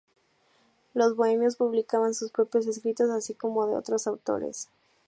Los bohemios publicaban sus propios escritos así como de otros autores.